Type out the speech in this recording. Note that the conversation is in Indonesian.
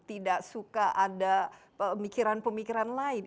tidak suka ada pemikiran pemikiran lain